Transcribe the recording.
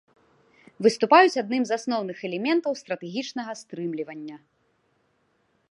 Выступаюць адным з асноўных элементаў стратэгічнага стрымлівання.